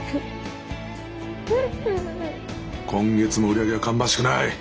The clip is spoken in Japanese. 今月も売り上げが芳しくない！